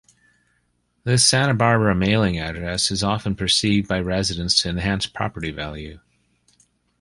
This Santa Barbara mailing address is often perceived by residents to enhance property value.